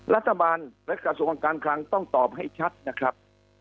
รัฐบาลและกระทรวงการคลังต้องตอบให้ชัดนะครับ